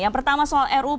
yang pertama soal ruhp